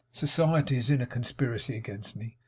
Society is in a conspiracy against me.